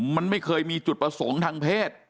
มันไม่เคยมีจุดประสงค์ทางเพศ